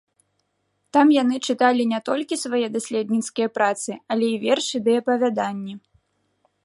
Там яны чыталі не толькі свае даследніцкія працы, але і вершы ды апавяданні.